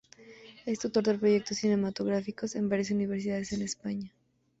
Es tutor de proyectos cinematográficos en varias universidades en España.